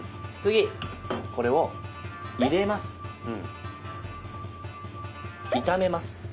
次これを入れます